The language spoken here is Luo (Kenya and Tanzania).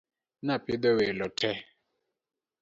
Napidho welo te.